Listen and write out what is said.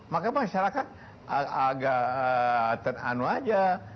maka masyarakat agak teranu aja